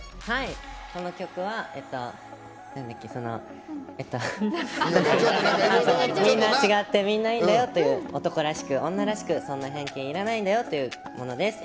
この曲は、みんな違ってみんないいんだよという男らしく女らしくそんな偏見いらないんだよというものです。